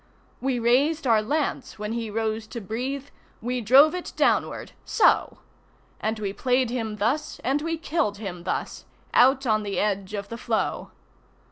We raised our lance when he rose to breathe, We drove it downward so! And we played him thus, and we killed him thus, Out on the edge of the floe.